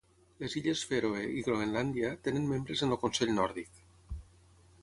Les Illes Fèroe i Groenlàndia tenen membres en el Consell Nòrdic.